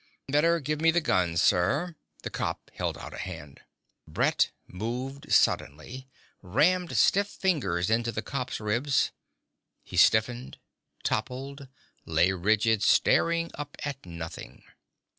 "Better give me the gun, sir." The cop held out a hand. Brett moved suddenly, rammed stiff fingers into the cop's ribs. He stiffened, toppled, lay rigid, staring up at nothing.